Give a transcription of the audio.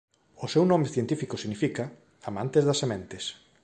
O seu nome científico significa "amante das sementes".